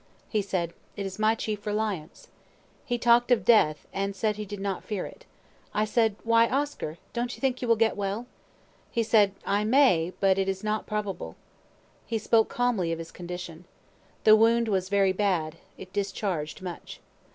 He said, "It is my chief reliance." He talk'd of death, and said he did not fear it. I said, "Why, Oscar, don't you think you will get well?" He said, "I may, but it is not probable." He spoke calmly of his condition. The wound was very bad, it discharg'd much.